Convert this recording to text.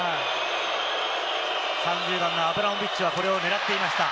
３０番・アブラモビッチはこれを狙っていました。